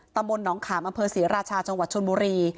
ตำรวจน้องขามอศรีราชาจชนมุรี